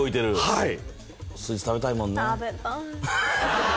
はい！